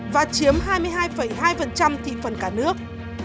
và chiếm hai mươi hai hai thị phần cả nước